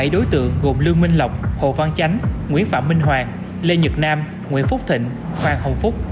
bảy đối tượng gồm lương minh lộc hồ văn chánh nguyễn phạm minh hoàng lê nhật nam nguyễn phúc thịnh hoàng hồng phúc